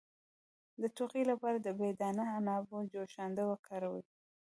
د ټوخي لپاره د بې دانه عنابو جوشانده وکاروئ